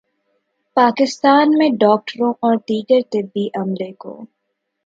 پاکستان میں ڈاکٹروں اور دیگر طبی عملے کو